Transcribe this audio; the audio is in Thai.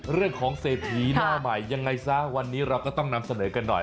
เรื่องของเศรษฐีหน้าใหม่ยังไงซะวันนี้เราก็ต้องนำเสนอกันหน่อย